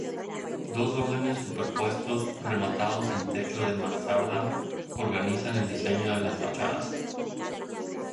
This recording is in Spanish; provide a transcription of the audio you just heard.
Dos órdenes superpuestos, rematados en techo de mansarda, organizan el diseño de las fachadas.